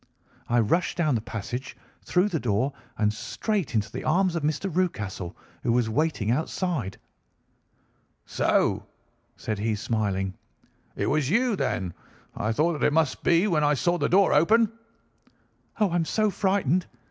I rushed down the passage, through the door, and straight into the arms of Mr. Rucastle, who was waiting outside. "'So,' said he, smiling, 'it was you, then. I thought that it must be when I saw the door open.' "'Oh, I am so frightened!